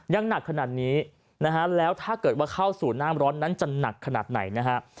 หนักขนาดนี้นะฮะแล้วถ้าเกิดว่าเข้าสู่น้ำร้อนนั้นจะหนักขนาดไหนนะฮะ